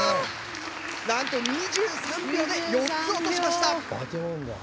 何と２３秒で４つ落としました。